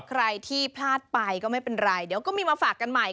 ใครที่พลาดไปก็ไม่เป็นไรเดี๋ยวก็มีมาฝากกันใหม่